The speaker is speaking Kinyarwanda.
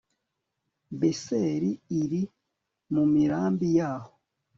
Beseri iri mu mirambi yaho